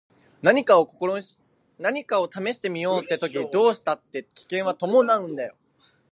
何かを試してみようって時どうしたって危険は伴うんだよ。